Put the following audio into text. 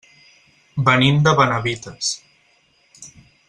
Venim de Benavites.